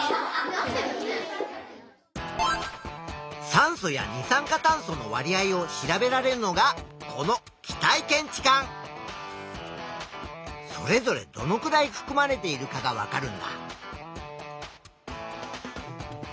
酸素や二酸化炭素のわり合を調べられるのがこのそれぞれどのくらいふくまれているかがわかるんだ。